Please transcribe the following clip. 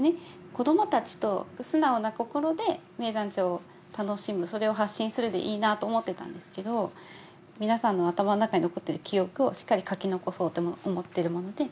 子どもたちと素直な心で名山町を楽しむそれを発信するでいいなと思っていたんですけど皆さんの頭の中に残っている記憶をしっかり書き残そうと思っているもので。